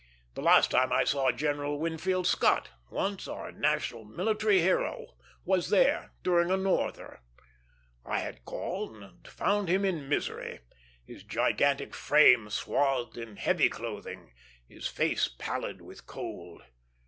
The last time I ever saw General Winfield Scott, once our national military hero, was there, during a norther. I had called, and found him in misery; his gigantic frame swathed in heavy clothing, his face pallid with cold.